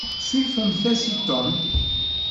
Ssurfemt-as i Tom.